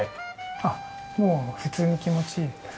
あっもう普通に気持ちいいです。